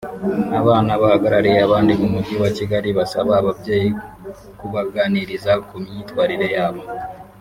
Abana bahagarariye abandi mu Mujyi wa Kigali basaba ababyeyi kubaganiriza ku myitwarire yabo